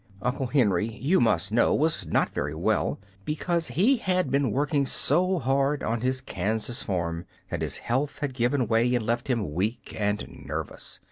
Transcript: Uncle Henry, you must know, was not very well, because he had been working so hard on his Kansas farm that his health had given way and left him weak and nervous.